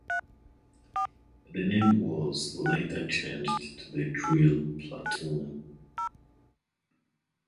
The name was later changed to the Drill Platoon.